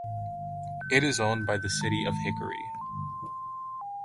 It is owned by the City of Hickory.